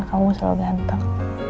kamu selalu ganteng